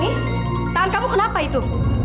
nih tangan kamu kenapa itu